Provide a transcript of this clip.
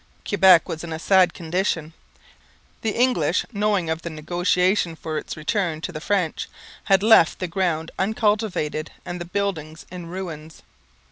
Quebec was in a sad condition. The English, knowing of the negotiations for its return to the French, had left the ground uncultivated and the buildings in ruins.